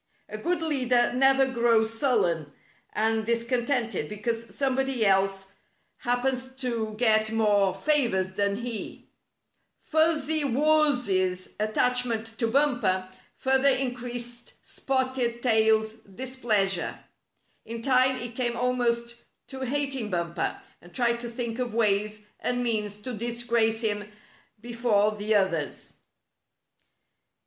A good leader never grows sullen and discontented because somebody else happens to get more favors than he. Fuzzy Wuzz's attach ment to Bumper further increased Spotted Tail's displeasure. In time he came almost to hating Bumper, and tried to think of ways and means to disgrace him before the others.